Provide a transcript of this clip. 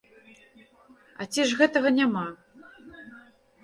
А ці ж гэтага няма?